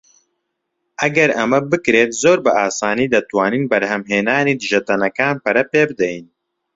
ئەگەر ئەمە بکرێت، زۆر بە ئاسانی دەتوانین بەرهەمهێنانی دژەتەنەکان پەرە پێبدەین.